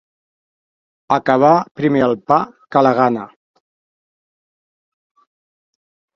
Acabar primer el pa que la gana.